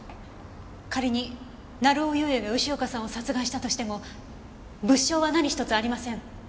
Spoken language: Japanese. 仮に成尾優也が吉岡さんを殺害したとしても物証は何一つありません。